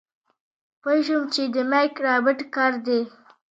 پوه شوم چې د مايک رابرټ کار دی.